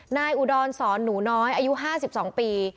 อุดรสอนหนูน้อยอายุ๕๒ปี